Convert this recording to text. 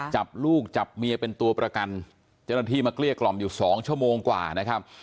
จับลูกจับเมียเป็นตัวประกันเจ้าหน้าที่มาเกลี้ยกล่อมอยู่สองชั่วโมงกว่านะครับ